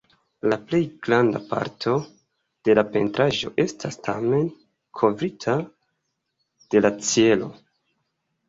La plej granda parto de la pentraĵo estas tamen kovrita de la ĉielo.